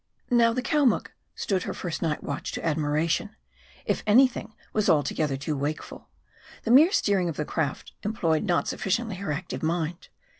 Now the Calmuc stood her first night watch to admira tion ; if any thing, was altogether too wakeful. The mere steering of the craft employed not sufficiently her active mind.